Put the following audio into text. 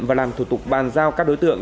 và làm thủ tục bàn giao các đối tượng